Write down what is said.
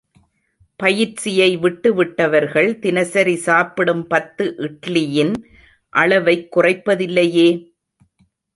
பயிற்சியை விட்டு விட்டவர்கள் தினசரி சாப்பிடும் பத்து இட்லியின் அளவைக் குறைப்பதில்லையே!